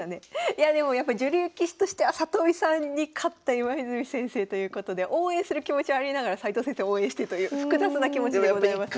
いやでもやっぱ女流棋士としては里見さんに勝った今泉先生ということで応援する気持ちはありながら斎藤先生を応援してという複雑な気持ちでございます。